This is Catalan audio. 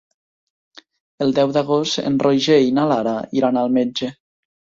El deu d'agost en Roger i na Lara iran al metge.